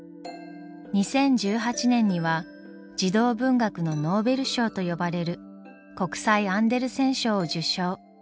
２０１８年には児童文学のノーベル賞と呼ばれる国際アンデルセン賞を受賞。